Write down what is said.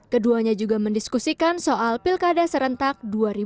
keduanya juga mendiskusikan soal pilkada serentak dua ribu dua puluh